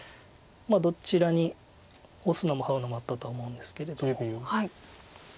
どちらにオスのもハウのもあったとは思うんですけれど。